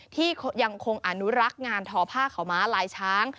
ที่ยังคงอนุรักษ์งานทอผ้าขาวม้าลายช้าง